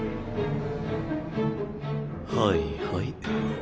はいはい。